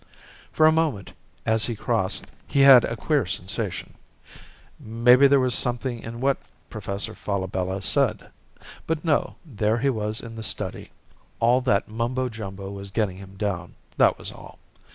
For a moment, as he crossed, he had a queer sensation. Maybe there was something in what Professor Falabella said. But no, there he was in the study. All that mumbo jumbo was getting him down, that was all.